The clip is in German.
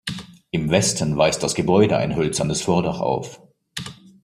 Im Westen weist das Gebäude ein hölzernes Vordach auf.